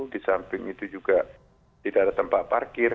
di samping itu juga tidak ada tempat parkir